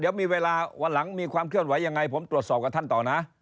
เดี๋ยวมีเวลาวันหลังมีความเคลื่อนไหวยังไงผมตรวจสอบกับท่านต่อนะ